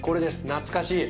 懐かしい。